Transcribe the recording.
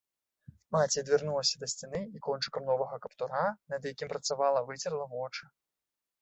Маці адвярнулася да сцяны і кончыкам новага каптура, над якім працавала, выцерла вочы.